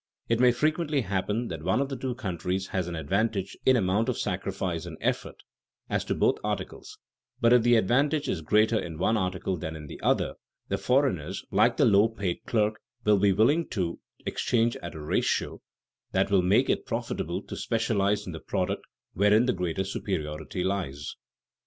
It may frequently happen that one of the two countries has an advantage in amount of sacrifice and effort, as to both articles; but if the advantage is greater in one article than in the other, the foreigners, like the low paid clerk, will be willing to exchange at a ratio that will make it profitable to specialize in the product wherein the greater superiority lies.